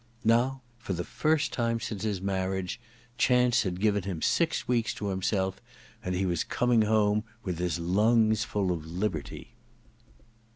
Now, for the first time since his marriage, chance had given him six weeks to himself, and he was coming home with his lungs full of liberty.